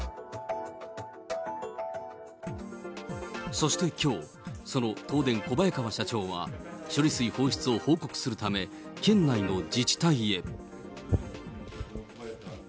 そしてきょう、その東電、小早川社長は、処理水放出を報告するため、県内の自治体へ。